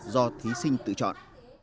do thí sinh tự chọn